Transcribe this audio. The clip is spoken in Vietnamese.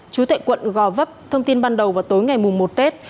chú tệ quận gò vấp thông tin ban đầu vào tối ngày mùa một tết